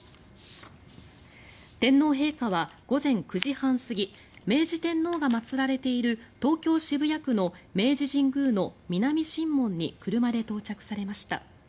天皇陛下は午前９時半過ぎ明治天皇が祭られている東京・渋谷区の明治神宮の南神門に車で到着されました。